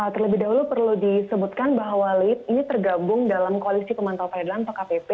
terlebih dahulu perlu disebutkan bahwa lid ini tergabung dalam koalisi pemantau peredaran pkkpp